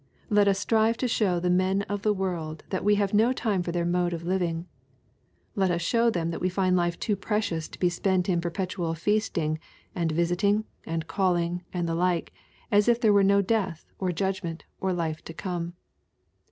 Let us strive to show the men of the world that we have no time for their mode of living. Let us show them that we find life too precious to be spent in perpetual feasting, and visiting, and calling, and the like, as if there were no death, or judgment, or life to come.